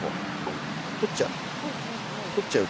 取っちゃう。